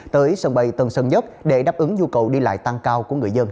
tới sân bay tân sơn nhất để đáp ứng nhu cầu đi lại tăng cao của người dân